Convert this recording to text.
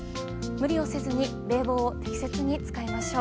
無理をせずに冷房を適切に使いましょう。